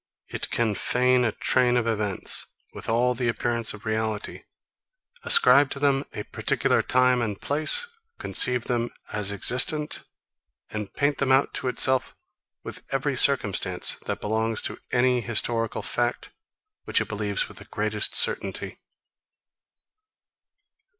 It can feign a train of events, with all the appearance of reality, ascribe to them a particular time and place, conceive them as existent, and paint them out to itself with every circumstance, that belongs to any historical fact, which it believes with the greatest certainty.